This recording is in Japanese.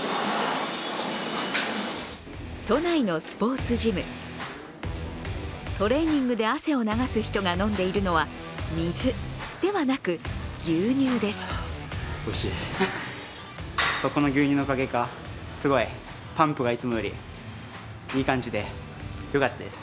都内のスポーツジム、トレーニングで汗を流す人が飲んでいるのは水ではなく、牛乳です。